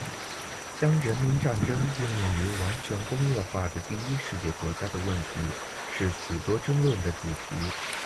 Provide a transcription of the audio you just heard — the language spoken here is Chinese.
将人民战争应用于完全工业化的第一世界国家的问题是许多争论的主题。